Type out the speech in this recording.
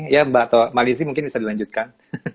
ya mbak lizzie mungkin bisa dilanjutkan